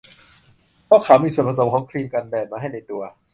เพราะเขามีส่วนผสมของครีมกันแดดมาให้ในตัว